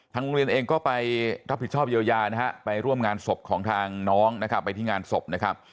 ทางโรงเรียนเองก็ไปรับผิดชอบเยียวยานะครับไปร่วมงานศพของทางน้องนะครับ